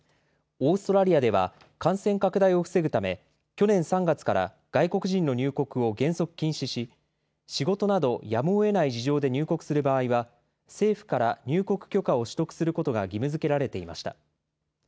オーストラリアでは感染拡大を防ぐため去年３月から外国人の入国を原則禁止し仕事などやむをえない事情で入国する場合は政府から入国許可を取得することが義務づけられていました。